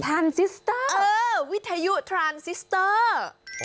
ทานซิสเตอร์วิทยุใจตาลประสงค์